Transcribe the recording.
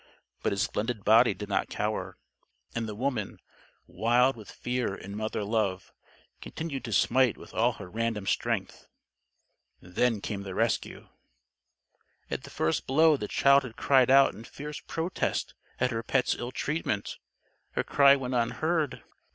But his splendid body did not cower. And the woman, wild with fear and mother love, continued to smite with all her random strength. Then came the rescue. At the first blow the child had cried out in fierce protest at her pet's ill treatment. Her cry went unheard.